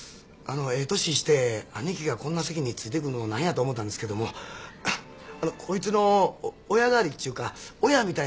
ええ年して兄貴がこんな席についてくんのも何やと思うたんですけどもこいつの親代わりちゅうか親みたいなもんなんですよ。